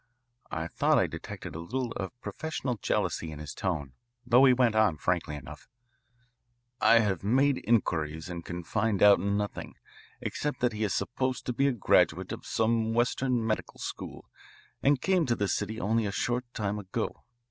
I thought I detected a little of professional jealousy in his tone, though he went on frankly enough, "I have made inquiries and I can find out nothing except that he is supposed to be a graduate of some Western medical school and came to this city only a short time ago.